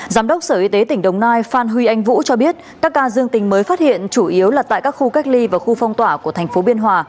giám đốc sở y tế tỉnh đồng nai phan huy anh vũ cho biết các ca dương tình mới phát hiện chủ yếu là tại các khu cách ly và khu phong tỏa của thành phố biên hòa